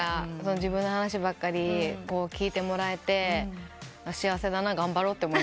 自分の話ばっかり聞いてもらえて幸せだな頑張ろうと思いました。